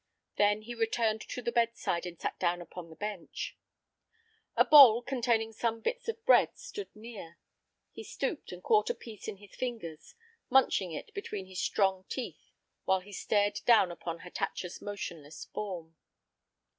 Then he returned to the bedside and sat down upon the bench. A bowl containing some bits of bread stood near. He stooped and caught a piece in his fingers, munching it between his strong teeth while he stared down upon Hatatcha's motionless form.